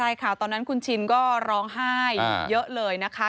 ใช่ค่ะตอนนั้นคุณชินก็ร้องไห้เยอะเลยนะคะ